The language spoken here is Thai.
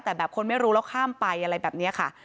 แต่แบบคนไม่รู้แล้วข้ามไปอะไรแบบนี้ค่ะ